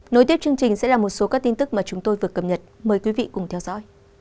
nối tiếp chương trình sẽ là một số các tin tức mà chúng tôi vừa cập nhật mời quý vị cùng theo dõi